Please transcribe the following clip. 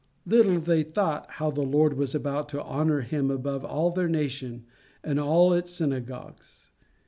Little they thought how the Lord was about to honour him above all their nation and all its synagogues.